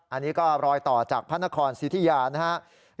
อันนี้ก็รอยต่อจากพระนครสิทธิยานะครับ